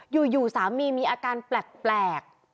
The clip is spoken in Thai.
อยู่สามีมีอาการแปลก